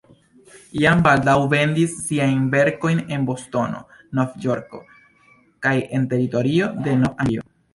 Jam baldaŭ vendis siajn verkojn en Bostono, Nov-Jorko kaj en teritorio de Nov-Anglio.